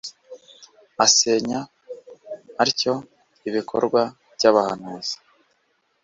asenya atyo ibikorwa by'abahanuzi